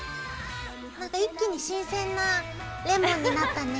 なんか一気に新鮮なレモンになったね。